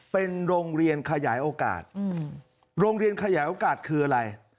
เป็นโรงเรียนขยายโอกาสโรงเรียนขยายโอกาสคืออะไร